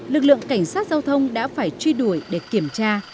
lực lượng cảnh sát giao thông đã phải truy đuổi để kiểm tra